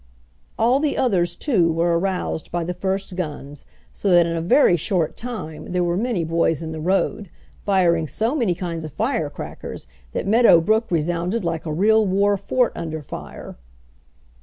All the others too were aroused by the first "guns," so that in a very short time there were many boys in the road, firing so many kinds of fire crackers that Meadow Brook resounded like a real war fort under fire.